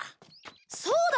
そうだ！